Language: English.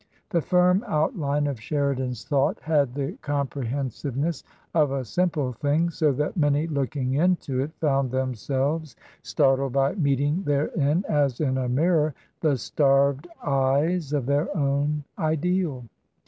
The firm outline of Sheridan's thought had the comprehensiveness of a simple thing, so that many looking into it found themselves startled by meeting therein, as in a mirror, the starved eyes of their own ideal.